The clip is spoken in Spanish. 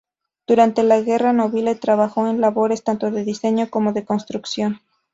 Durante la guerra Nobile trabajó en labores tanto de diseño como de construcción.